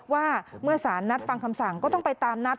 ว่าเมื่อสารนัดฟังคำสั่งก็ต้องไปตามนัด